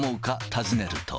尋ねると。